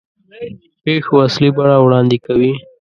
پېښو اصلي بڼه وړاندې کوي.